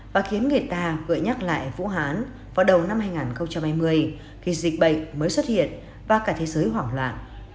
và khiến người ta gợi nhắc lại vũ hán vào đầu năm hai nghìn hai mươi khi dịch bệnh mới xuất hiện và cả thế giới hoảng loạn